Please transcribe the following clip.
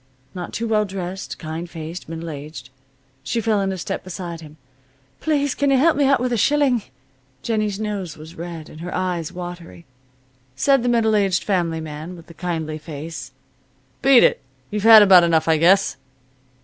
Not too well dressed, kind faced, middle aged. She fell into step beside him. "Please, can you help me out with a shilling?" Jennie's nose was red, and her eyes watery. Said the middle aged family man with the kindly face: "Beat it. You've had about enough I guess."